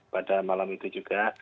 pada malam itu juga